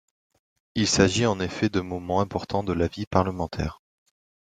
Il s’agit en effet de moments importants de la vie parlementaire.